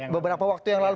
beberapa waktu yang lalu